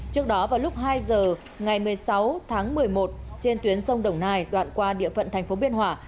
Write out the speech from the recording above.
trước đó vào lúc hai h ngày một mươi sáu tháng một mươi một trên tuyến sông đồng nai đoạn qua địa phận tp biên hòa